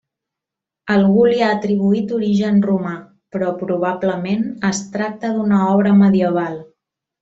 Algú li ha atribuït origen romà, però, probablement es tracta d'una obra medieval.